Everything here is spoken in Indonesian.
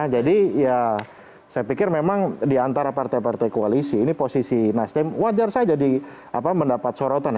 jadi ya saya pikir memang diantara partai partai koalisi ini posisi nasdem wajar saja di mendapat sorotan